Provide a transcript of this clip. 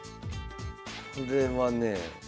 これはねえ。